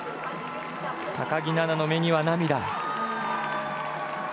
高木菜那の目には涙。